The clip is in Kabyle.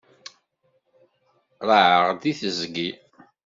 Raεeɣ deg teẓgi.